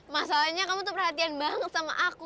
masalahnya kamu tuh perhatian banget sama aku